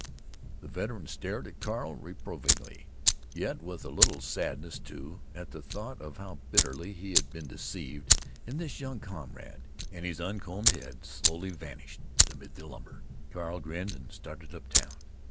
The veteran stared at Carl reprovingly, yet with a little sadness, too, at the thought of how bitterly he had been deceived in this young comrade, and his uncombed head slowly vanished amid the lumber. Carl grinned and started up town.